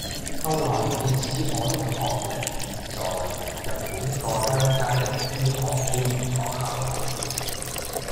後來便使我的學籍列在日本一個鄉間的醫學專門學校裏了。